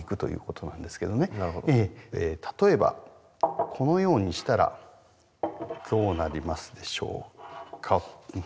例えばこのようにしたらどうなりますでしょうか？